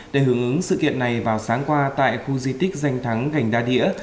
để hướng ứng sự kiện này vào sáng qua tại khu di tích danh thắng gành đa địa